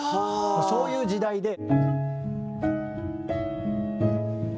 そういう時代で。